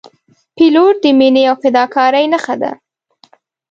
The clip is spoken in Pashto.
پیلوټ د مینې او فداکارۍ نښه ده.